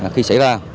khi xảy ra